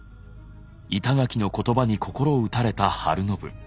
板垣の言葉に心打たれた晴信。